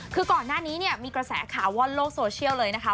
คือก่อนหน้านี้เนี่ยมีกระแสข่าวว่อนโลกโซเชียลเลยนะคะ